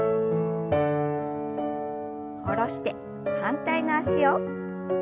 下ろして反対の脚を。